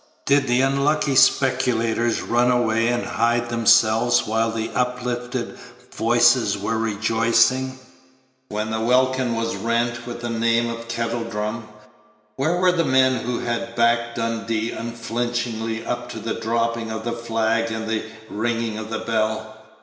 Did the unlucky speculators run away and hide themselves while the uplifted voices were rejoicing? When the welkin was rent with the name of Kettledrum, where were the men who had backed Dundee unflinchingly up to the dropping of the flag and the ringing of the bell?